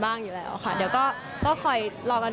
อาจจะยังไม่ชินก็เขินผิดเนื้อแหละ